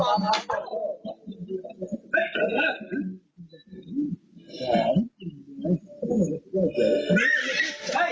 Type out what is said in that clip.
ไหน